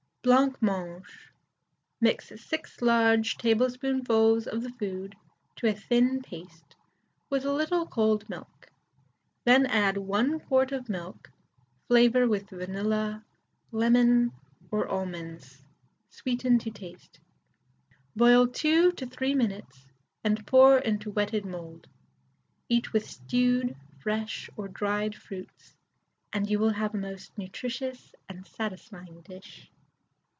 BLANCMANGE. Mix 6 large tablespoonfuls of the food to a thin paste with a little cold milk, then add 1 quart of milk, flavour with vanilla, lemon or almonds, sweeten to taste; boil 2 or 3 minutes, and pour into wetted mould. Eat with stewed, fresh, or dried fruits, and you have a most nutritious and satisfying dish.